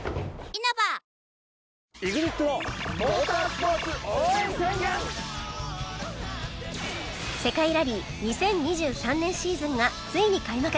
糖質ゼロ世界ラリー２０２３年シーズンがついに開幕